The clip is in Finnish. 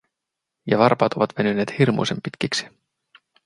Ja varpaat ovat venyneet hirmuisen pitkiksi.